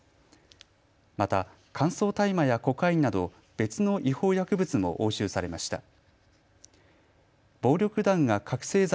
また、乾燥大麻やコカインなど別の違法薬物も押収されました。